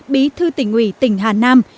bí thư tỉnh ủy tỉnh hà nam